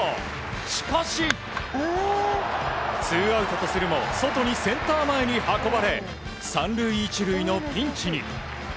しかし、ツーアウトとするもソトにセンター前に運ばれ３塁１塁のピンチに。